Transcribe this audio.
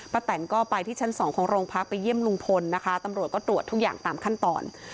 แตนก็ไปที่ชั้นสองของโรงพักไปเยี่ยมลุงพลนะคะตำรวจก็ตรวจทุกอย่างตามขั้นตอน